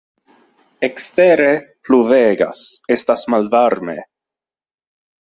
Ekstere pluvegas, estas malvarme.